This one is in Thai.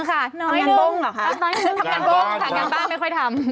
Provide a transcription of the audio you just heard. ทำค่ะน้อยบุ้งทำงานบุ้งทำงานบ้านไม่ค่อยทำ